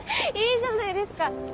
いいじゃないですか。